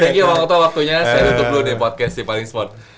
thank you waktu waktunya saya untuk lu di podcast di paling smart